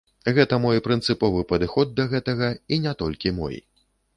Гэта мой прынцыповы падыход да гэтага, і не толькі мой.